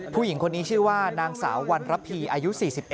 ผู้หญิงคนนี้ชื่อว่านางสาววันระพีอายุ๔๑